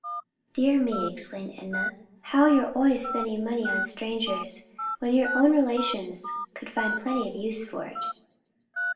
"Dear me," exclaimed Enna, "how you're always spending money on strangers, when your own relations could find plenty of use for it!"